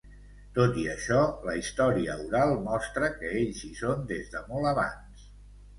Tot i això, la història oral mostra que ells hi són des de molt abans.